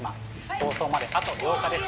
放送まであと８日です